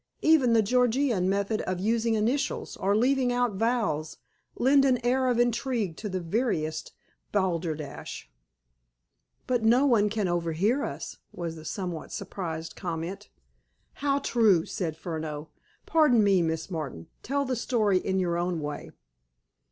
Even the Georgian method of using initials, or leaving out vowels, lend an air of intrigue to the veriest balderdash." "But no one can overhear us," was the somewhat surprised comment. "How true!" said Furneaux. "Pardon me, Miss Martin. Tell the story in your own way."